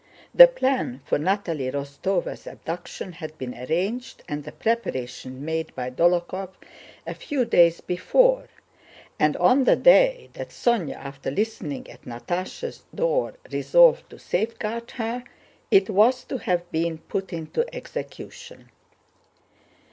The plan for Natalie Rostóva's abduction had been arranged and the preparations made by Dólokhov a few days before, and on the day that Sónya, after listening at Natásha's door, resolved to safeguard her, it was to have been put into execution.